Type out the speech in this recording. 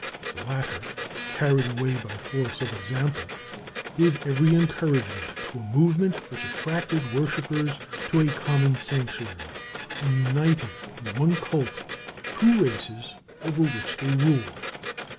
The latter, carried away by force of example, gave every encouragement to a movement which attracted worshippers to a common sanctuary, and united in one cult two races over which they ruled.